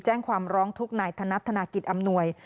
แจ้งความร้องทุกข์นายธนัดธนากิจอำนวย